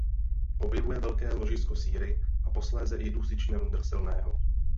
Objevuje velké ložisko síry a posléze i dusičnanu draselného.